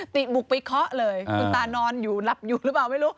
ติบุกไปเคาะเลยคุณตานอนอยู่หลับอยู่หรือเปล่าไม่รู้